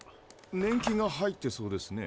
年季が入ってそうですね？